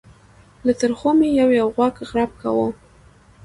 له ترخو مې یو یو خوږ غړپ کاوه.